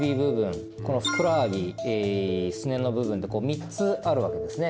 このふくらはぎすねの部分って３つあるわけですね。